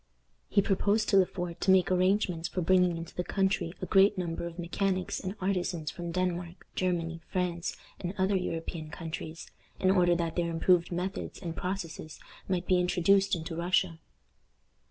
He proposed to Le Fort to make arrangements for bringing into the country a great number of mechanics and artisans from Denmark, Germany, France, and other European countries, in order that their improved methods and processes might be introduced into Russia.